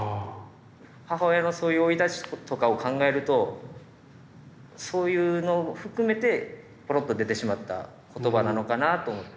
母親のそういう生い立ちとかを考えるとそういうの含めてぽろっと出てしまった言葉なのかなぁと思って。